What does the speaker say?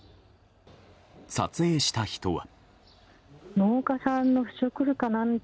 撮影した人は。